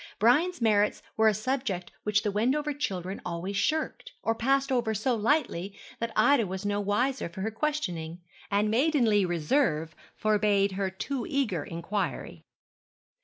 Brian's merits were a subject which the Wendover children always shirked, or passed over so lightly that Ida was no wiser for her questioning; and maidenly reserve forbade her too eager inquiry.